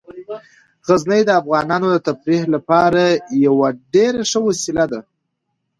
غزني د افغانانو د تفریح لپاره یوه ډیره ښه وسیله ده.